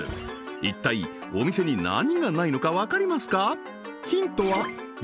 一体お店に何がないのか分かりますか？